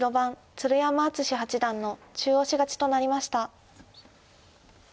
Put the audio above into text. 鶴山淳志八段の中押し勝ちとなりました。